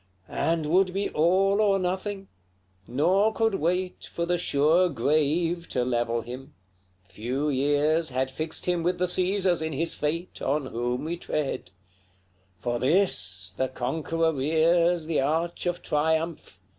XCII. And would be all or nothing nor could wait For the sure grave to level him; few years Had fixed him with the Caesars in his fate, On whom we tread: For THIS the conqueror rears The arch of triumph!